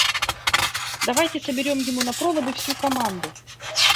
Давайте соберем ему на проводы всю команду.